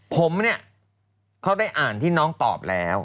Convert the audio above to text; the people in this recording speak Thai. ผมเนี่ยเขาได้อ่านที่น้องตอบแล้ว